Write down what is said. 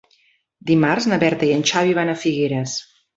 Dimarts na Berta i en Xavi van a Figueres.